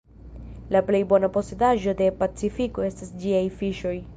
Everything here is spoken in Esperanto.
La plej bona posedaĵo de Pacifiko estas ĝiaj fiŝoj.